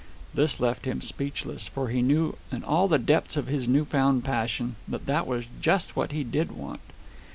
This left him speechless, for he knew, in all the depths of his new found passion, that that was just what he did want.